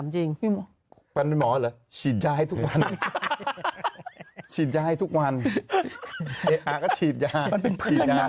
จริงก็ไม่มองอะไรด้วยทุกวันชีดยากลายทุกวันอาทิตย์ยาหาเป็นเพื่อนหน้า